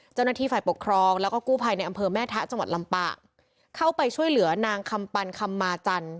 เจ้าหน้าที่ฝ่ายปกครองแล้วก็กู้ภัยในอำเภอแม่ทะจังหวัดลำปางเข้าไปช่วยเหลือนางคำปันคำมาจันทร์